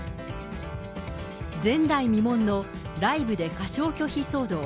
前代未聞のライブで歌唱拒否騒動。